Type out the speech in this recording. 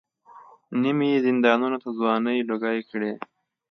نیم یې زندانونو ته ځوانۍ لوګۍ کړې.